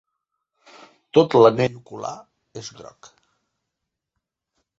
Tot l'anell ocular és groc.